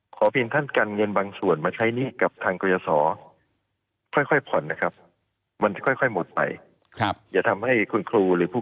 ขออภินท่านกันเงินบางส่วนมาใช้หนี้กับทางกรยาศอร์